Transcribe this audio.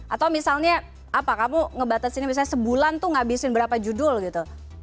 atau misalnya apa kamu ngebatasin misalnya sebulan tuh ngabisin berapa judul gitu